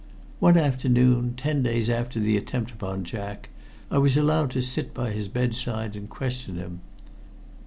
One afternoon, ten days after the attempt upon Jack, I was allowed to sit by his bedside and question him.